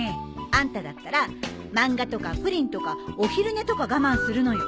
あんただったら漫画とかプリンとかお昼寝とか我慢するのよ。